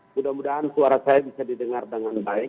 mudah mudahan suara saya bisa didengar dengan baik